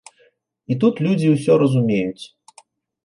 І тут людзі ўсё разумеюць.